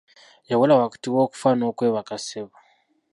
Yawula wakati w'okufa n'okwebaka ssebo.